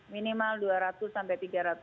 minimal dua ratus sampai tiga ratus